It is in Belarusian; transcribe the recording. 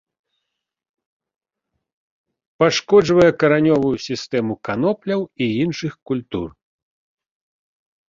Пашкоджвае каранёвую сістэму канопляў і іншых культур.